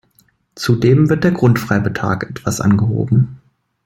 Zudem wird der Grundfreibetrag etwas angehoben.